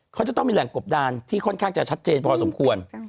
เขาจะต้องมีแหล่งกบดานที่ค่อนข้างจะชัดเจนพอสมควร